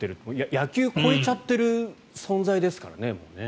野球を超えちゃってる存在ですからね、もう。